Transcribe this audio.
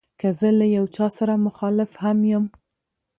که زه له یو چا سره مخالف هم یم.